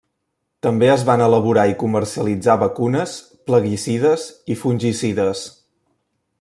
També es van elaborar i comercialitzar vacunes, plaguicides i fungicides.